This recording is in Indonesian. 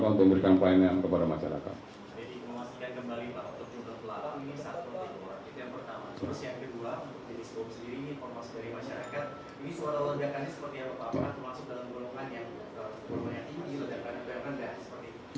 apakah termasuk dalam golongan yang golongannya tinggi ledakannya keberangan dan seperti itu